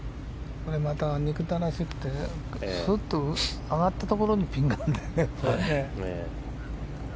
これまた憎たらしくてすっと上がったところにピンがあるんだよね。